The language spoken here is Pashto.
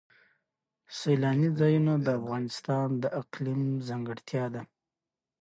سیلانی ځایونه د افغانستان د اقلیم ځانګړتیا ده.